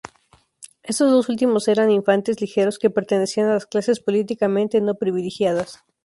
Estos dos últimos eran infantes ligeros que pertenecían a las clases políticamente no privilegiadas.